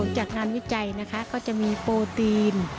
จากงานวิจัยนะคะก็จะมีโปรตีน